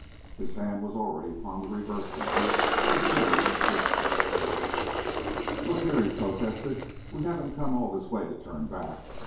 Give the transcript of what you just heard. His hand was already upon the reverse lever, but Gerald gripped it. "Look here," he protested, "we haven't come all this way to turn back.